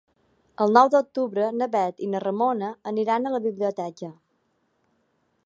El nou d'octubre na Bet i na Ramona aniran a la biblioteca.